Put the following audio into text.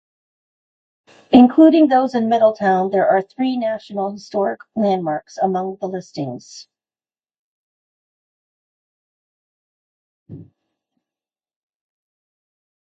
Including those in Middletown, there are three National Historic Landmarks among the listings.